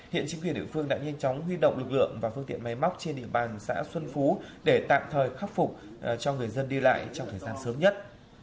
hiện chính quyền địa phương đã nhanh chóng huy động lực lượng và phương tiện máy móc trên địa bàn xã xuân phú để tạm thời khắc phục cho người dân đi lại trong thời gian sớm nhất